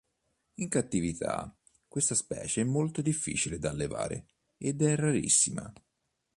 In cattività questa specie è molto difficile da allevare ed è rarissima.